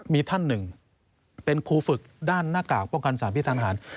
มีท่านหนึ่งเป็นครูฝึกด้านหน้ากากป้องกันสารพิษทางทหาร